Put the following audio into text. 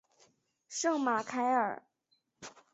圣马凯尔。